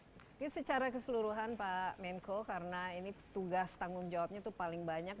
jadi secara keseluruhan pak menko karena ini tugas tanggung jawabnya itu paling banyak